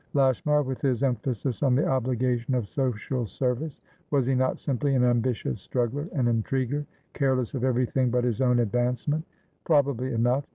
Lashmar, with his emphasis on the obligation of social servicewas he not simply an ambitious struggler and intriguer, careless of everything but his own advancement? Probably enough.